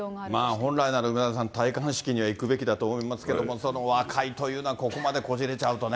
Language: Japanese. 本来なら梅沢さん、戴冠式には行くべきだと思うんですけれども、和解というのは、ここまでこじれちゃうとね。